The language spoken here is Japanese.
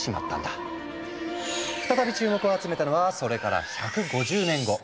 再び注目を集めたのはそれから１５０年後。